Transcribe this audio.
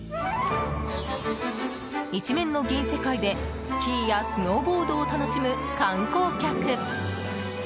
一面の銀世界で、スキーやスノーボードを楽しむ観光客。